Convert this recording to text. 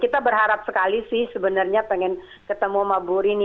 kita berharap sekali sih sebenarnya pengen ketemu sama bu rini